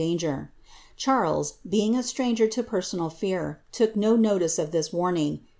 901 inger. Charles, being a stranger to personal fear, took no notice of lis warning.